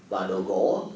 và đồ gỗ